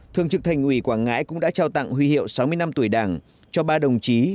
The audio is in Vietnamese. thường trực thành ủy quảng ngãi cũng đã trao tặng huy hiệu sáu mươi năm tuổi đảng cho ba đồng chí